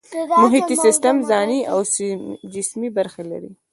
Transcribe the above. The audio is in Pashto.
محیطي سیستم ځانی او جسمي برخې لري